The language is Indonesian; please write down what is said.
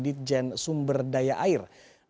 ditjen sumber daya air